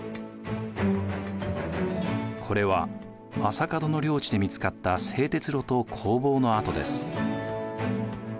これは将門の領地で見つかった製鉄炉と工房の跡です。